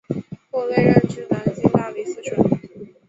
后累任至南京大理寺丞。